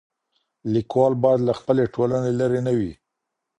ليکوال بايد له خپلي ټولني لیري نه وي.